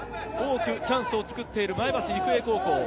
多くチャンスを作っている前橋育英高校。